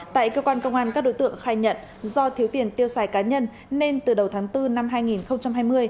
tại cơ quan công an các đối tượng khai nhận do thiếu tiền tiêu xài cá nhân nên từ đầu tháng bốn năm hai nghìn hai mươi